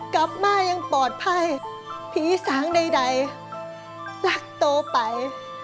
กลับมายังปลอดภัยผีสางใดรักโตไป